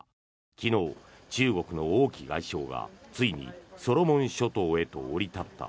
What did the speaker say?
昨日、中国の王毅外相がついにソロモン諸島へと降り立った。